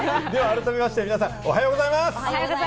改めまして皆さん、おはようございます。